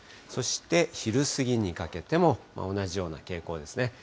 そして昼過ぎにかけても、同じような傾向ですね。